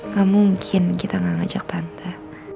ga mungkin kita ga ngajak tante